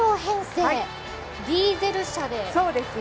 ディーゼル車で。